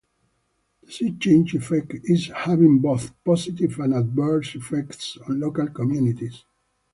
The seachange effect is having both positive and adverse effects on local communities.